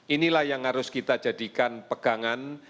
inilah yang harus kita jadikan pegangan